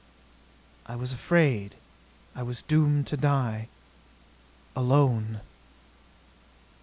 "I was afraid ... I was doomed to die ... alone...."